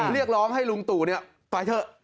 เรียกร้องให้ลุงตู่ไปเถอะ